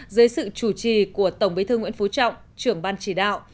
dưới sự chủ trì của tổng bí thư nguyễn phú trọng trưởng ban chỉ đạo